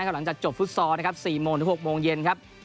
หลังจากจบฟุตซอร์๔โมงหรือ๖โมงเย็น